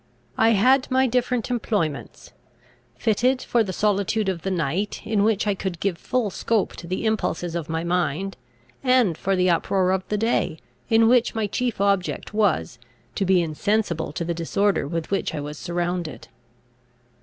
I had my different employments, fitted for the solitude of the night, in which I could give full scope to the impulses of my mind; and for the uproar of the day, in which my chief object was, to be insensible to the disorder with which I was surrounded.